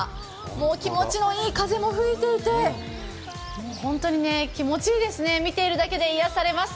気持ちのいい風も吹いていてホントに気持ちいいですね、見ているだけで癒やされます。